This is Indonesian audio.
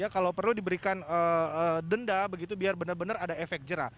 kalau perlu diberikan denda begitu biar benar benar ada efek jerah